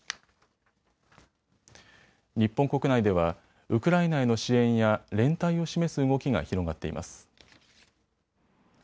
日本国内ではウクライナへの支援や連帯を示す動きが広がっています。